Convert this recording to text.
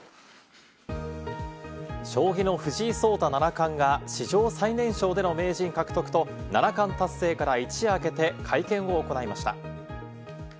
将棋の藤井聡太七冠が史上最年少での名人獲得と七冠達成から一夜明けて会見を行いました。